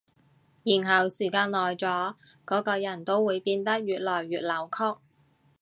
然後時間耐咗，嗰個人都會變得越來越扭曲